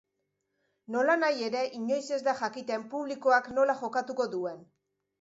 Nolanahi ere, inoiz ez da jakiten publikoak nola jokatuko duen.